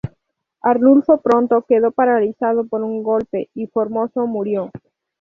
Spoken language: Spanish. Arnulfo pronto quedó paralizado por un golpe y Formoso murió.